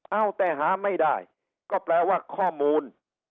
เอาแต่หาไม่ได้ก็แปลว่าข้อมูล